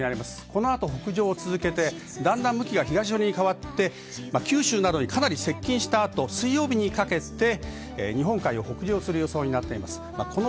この後、北上を続けて向きが東寄りに変わって九州などにかなり接近したあと、水曜日にかけて日本海を北上する予報になっています。